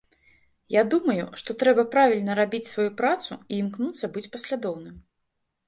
Я думаю, што трэба правільна рабіць сваю працу і імкнуцца быць паслядоўным.